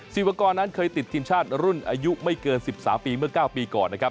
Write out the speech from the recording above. ศิวากรนั้นเคยติดทีมชาติรุ่นอายุไม่เกิน๑๓ปีเมื่อ๙ปีก่อนนะครับ